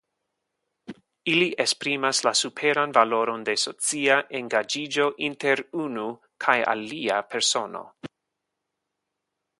Ili esprimas la superan valoron de socia engaĝiĝo inter unu kaj alia persono.